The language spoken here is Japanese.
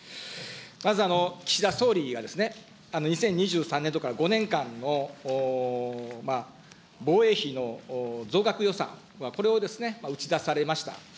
まず岸田総理が２０２３年度から５年間の防衛費の増額予算、これをですね、打ち出されました。